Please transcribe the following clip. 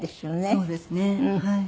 そうですねはい。